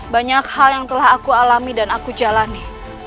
banyak hal yang telah aku alami dan aku jalani